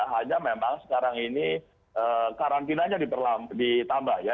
hanya memang sekarang ini karantinanya ditambah ya